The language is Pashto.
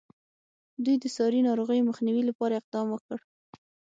دوی د ساري ناروغیو مخنیوي لپاره اقدام وکړ.